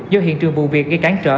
do hiện trường vụ việc gây cản trở